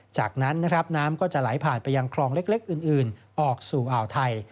จากนั้นนะครับน้ำก็จะไหลผ่านไปยังคลองเล็กอื่นออกสู่อ่าวไทย